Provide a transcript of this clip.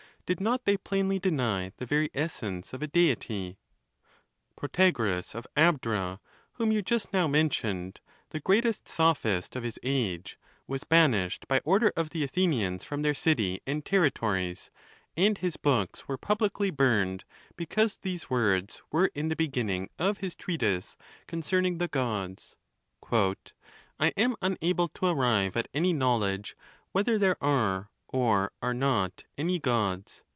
Did not they plainly deny the very essence of a Deity ? Pro tagoras of Abdera, whom you just now mentioned, the greatest sophist of his age, was banished by order of the Athenians from their city and territories, and his books were publicly burned, because these words were in the be ginning of his treatise concerning the Gods: "I am unable to arrive at any knowledge whether there are, or are not any Gods."